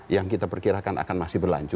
yang kita perkirakan akan masih berlanjut